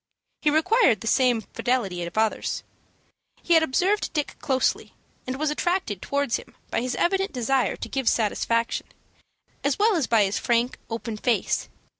He required the same fidelity of others. He had observed Dick closely, and was attracted towards him by his evident desire to give satisfaction, as well as by his frank, open face.